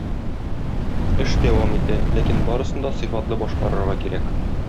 Эш дәвам итә, ләкин барысын да сыйфатлы башкарырга кирәк.